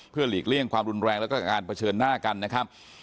หลีกเลี่ยงความรุนแรงแล้วก็การเผชิญหน้ากันนะครับ